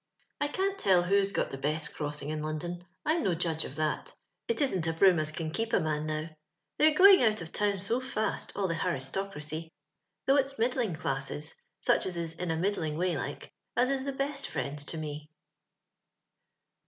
" I can't tell who's got the best crostdng in London. I'm no judge of tliat; it isn't a broom as can keei> a man now. They're going out of town so fast, all the harristocraoy ; though it's middling classes — such as is in a middling way like — as is the best iiiends to me."